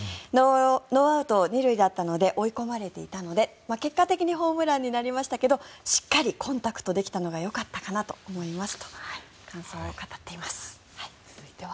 ノーアウト２塁だったので追い込まれていたので結果的にホームランになりましたけどしっかりコンタクトできたのがよかったかなと思いますと感想を語っています。